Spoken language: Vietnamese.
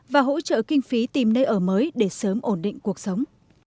và hỗ trợ kinh phí tìm nơi ở mới để sớm ổn định cuộc sống